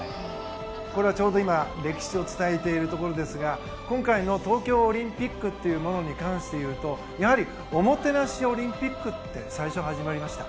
これはちょうど歴史を伝えているところですが今回の東京オリンピックというものに関して言うとやはり、おもてなしオリンピックって最初、始まりました。